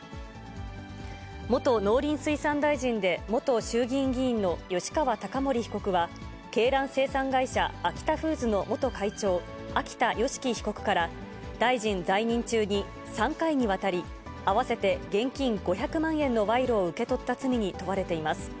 元農林水産大臣で、元衆議院議員の吉川貴盛被告は、鶏卵生産会社、アキタフーズの元会長、秋田善祺被告から大臣在任中に３回にわたり、合わせて現金５００万円の賄賂を受け取った罪に問われています。